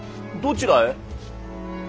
どちらへ。